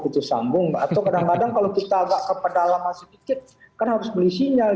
atau kadang kadang kalau kita agak kepedalam sedikit kan harus beli sinyal